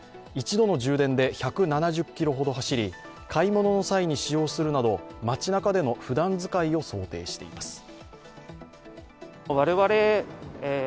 １度の充電で１７０ｋｍほど走り、買い物の際に使用するなど街なかでのふだん使いを想定しています。